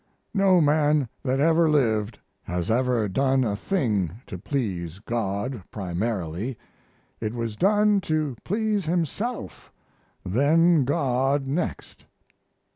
No man that ever lived has ever done a thing to please God primarily. It was done to please himself, then God next.